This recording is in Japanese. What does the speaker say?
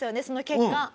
その結果。